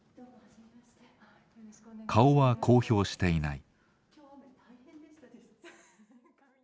顔は公表していない。